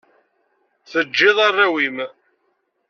Teǧǧiḍ arraw-im.